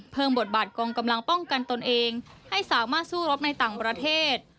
บทบาทกองกำลังป้องกันตนเองให้สามารถสู้รบในต่างประเทศ